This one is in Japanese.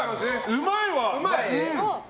うまいわ！